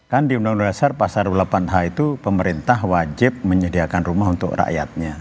kan di undang undang dasar pasal dua puluh delapan h itu pemerintah wajib menyediakan rumah untuk rakyatnya